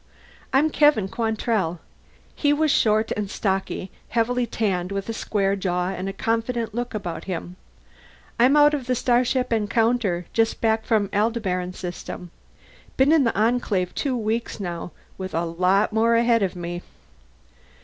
"I'm Kevin Quantrell." He was short and stocky, heavily tanned, with a square jaw and a confident look about him. "I'm out of the starship Encounter, just back from the Aldebaran system. Been in the Enclave two weeks now with a lot more ahead of me."